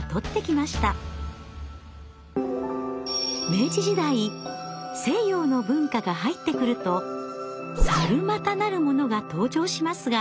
明治時代西洋の文化が入ってくると猿股なるものが登場しますが。